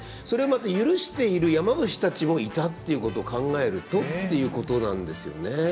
それをまた許している山伏たちもいたっていうことを考えるとっていうことなんですよね。